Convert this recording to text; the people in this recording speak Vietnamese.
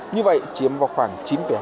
như vậy chiếm vào khoảng chín hai